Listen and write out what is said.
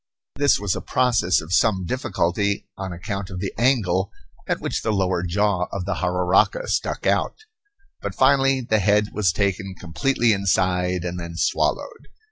This was a process of some difficulty on account of the angle at which the lower jaw of the jararaca stuck out. But finally the head was taken completely inside and then swallowed.